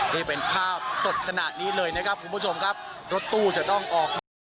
นี่เป็นภาพสดขนาดนี้เลยนะครับคุณผู้ชมครับรถตู้จะต้องออกมา